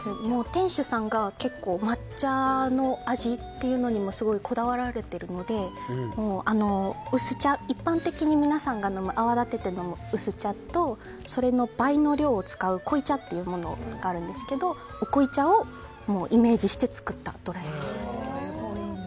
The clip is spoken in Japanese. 店主さんが結構、抹茶の味というのにもすごい、こだわられてるので一般的に皆さんが泡立てて飲む薄茶とそれの倍の量を使う濃い茶というものがあるんですけど濃い茶をイメージして作ったものです。